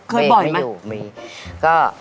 เคยบ่อยไหมเบรกไม่อยู่มีก็